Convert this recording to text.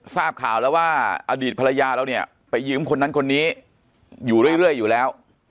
ทราบข่าวแล้วว่าอดีตภรรยาเราเนี่ยไปยืมคนนั้นคนนี้อยู่เรื่อยอยู่แล้ว